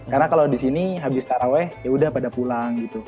karena kalau di sini habis taraweh ya udah pada pulang gitu